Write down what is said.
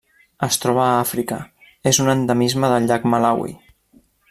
Es troba a Àfrica: és un endemisme del llac Malawi.